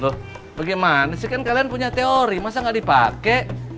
loh bagaimana sih kan kalian punya teori masa gak dipakai